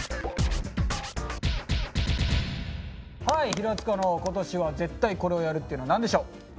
はい平塚の「今年は絶対コレをやる！」っていうのは何でしょう？